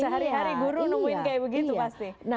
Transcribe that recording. hari hari guru menemukan seperti itu pasti